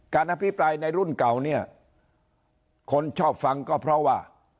อภิปรายในรุ่นเก่าเนี่ยคนชอบฟังก็เพราะว่า